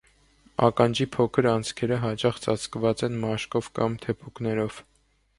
Ականջի փոքր անցքերը հաճախ ծածկված են մաշկով կամ թեփուկներով։